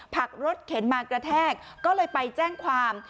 ผักรถเข็นมากระแทกก็เลยไปแจ้งความ